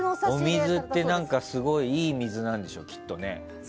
お水って、すごいいい水なんでしょ、きっとね。